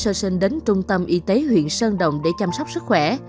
c đã tự sinh đến trung tâm y tế huyện sơn động để chăm sóc sức khỏe